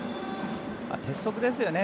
鉄則ですよね。